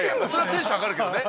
テンション上がるけどね